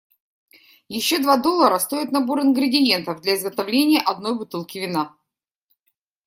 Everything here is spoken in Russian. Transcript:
Ещё два доллара стоит набор ингредиентов для изготовления одной бутылки вина.